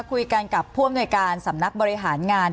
คุยกันกับผู้อำนวยการสำนักบริหารงาน